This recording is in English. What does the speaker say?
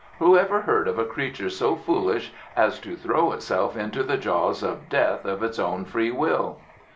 Who ever heard of a creature so foolish as to throw itself into the jaws of death of its own free will?"